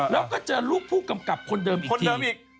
แล้วก็เจอลูกผู้กำกับคนเดิมอีกคนเดิมอีก